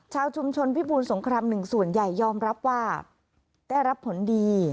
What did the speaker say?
ชาวชุมชนพิบูรสงครามหนึ่งส่วนใหญ่ยอมรับว่าได้รับผลดี